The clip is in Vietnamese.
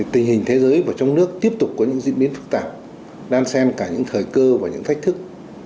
tình hình thế giới và trong nước tiếp tục có những diễn biến phức tạp đan sen cả những thời cơ và những thách thức